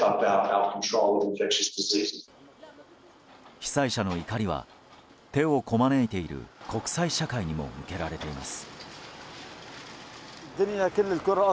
被災者の怒りは手をこまねいている国際社会にも向けられています。